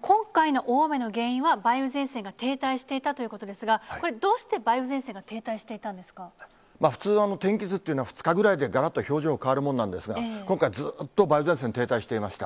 今回の大雨の原因は、梅雨前線が停滞していたということですが、これ、どうして梅雨前普通、天気図っていうのは、２日ぐらいでがらっと表情が変わるもんなんですが、今回、ずっと梅雨前線、停滞していました。